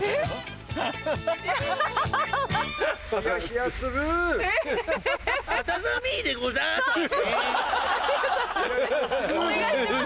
判定お願いします。